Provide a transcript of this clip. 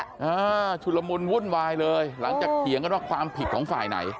อ่าชุดละมุนวุ่นวายเลยหลังจากเถียงกันว่าความผิดของฝ่ายไหน